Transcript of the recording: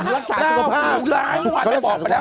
รักษาสุขภาพ